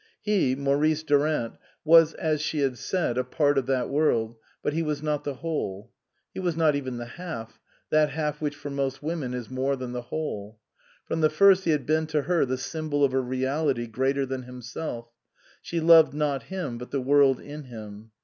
He, Maurice Durant, was as she had said a part of that world, but he was not the whole ; he was not even the half, that half which for most women is more than the whole. From the first he had been to her the symbol of a reality greater than himself; she loved not him, but the world in him.